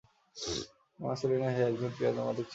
মা সেলিনা হে একজন পিয়ানোবাদক ছিলেন।